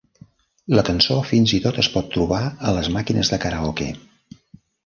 La cançó fins i tot es pot trobar a les màquines de karaoke.